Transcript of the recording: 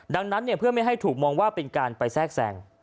ดังนั้นเพื่อไม่ให้ถูกมองว่าเป็นการไปแทรกแทรง